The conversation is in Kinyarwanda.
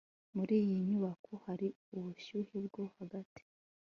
muri iyi nyubako hari ubushyuhe bwo hagati